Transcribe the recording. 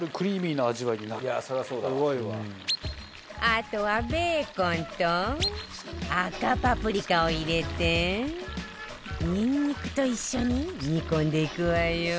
あとはベーコンと赤パプリカを入れてニンニクと一緒に煮込んでいくわよ